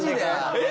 えっ？